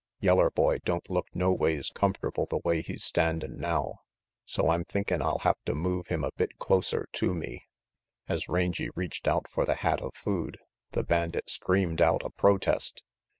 Yeller boy don't look noways comfortable the way he's standin' now, so I'm thinkin' I'll hafta move him a bit closer to me." As Rangy reached out for the hat of food, the bandit screamed out a protest.